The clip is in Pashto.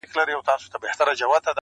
تل زبون دي په وطن کي دښمنان وي٫